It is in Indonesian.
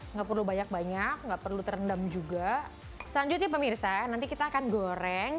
nggak perlu banyak banyak nggak perlu terendam juga selanjutnya pemirsa nanti kita akan goreng